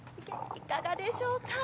いかがでしょうか。